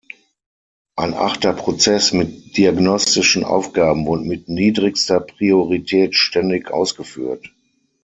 Ein achter Prozess mit diagnostischen Aufgaben wurde mit niedrigster Priorität ständig ausgeführt.